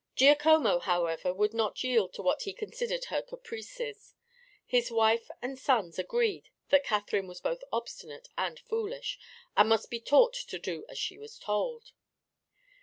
Giacomo, however, would not yield to what he considered her caprices. His wife and sons agreed that Catherine was both obstinate and foolish and must be taught to do as she was told.